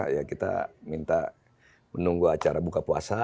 ya kita minta menunggu acara buka puasa